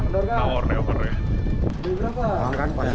pada mana posisi rem tangannya